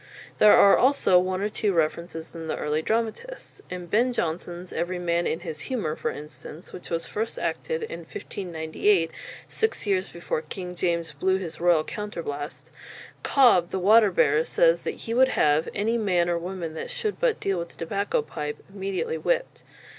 There are also one or two references in the early dramatists. In Ben Jonson's "Every Man in his Humour," for instance, which was first acted in 1598, six years before King James blew his royal "Counter blaste," Cob, the water bearer, says that he would have any "man or woman that should but deal with a tobacco pipe," immediately whipped.